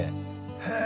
へえ。